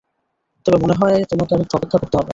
তবে মনে হয় তোমাকে আরেকটু অপেক্ষা করতে হবে।